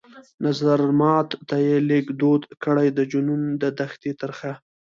نظرمات ته يې لږ دود کړى د جنون د دښتي ترخه